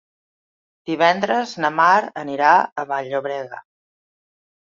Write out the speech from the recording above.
Divendres na Mar anirà a Vall-llobrega.